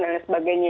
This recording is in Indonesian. dan lain sebagainya